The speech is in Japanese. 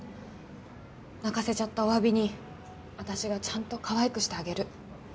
泣かせちゃったお詫びに私がちゃんとかわいくしてあげる。